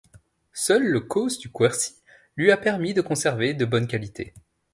Seul le causse du Quercy lui a permis de conserver de bonnes qualités.